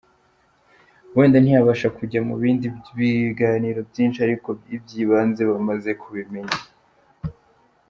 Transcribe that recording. Wenda ntiyabasha kujya mu bindi by’ibiganiro byinshi ariko iby’ibanze bamaze kubimenya».